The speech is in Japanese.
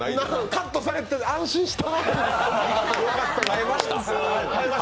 カットされて安心した。